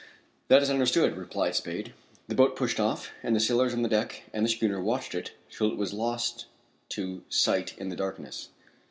"That is understood," replied Spade. The boat pushed off, and the sailors on the deck of the schooner watched it till it was lost to sight in the darkness.